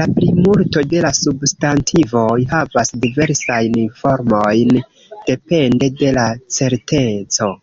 La plimulto de la substantivoj havas diversajn formojn, depende de la "certeco".